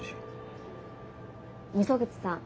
溝口さん。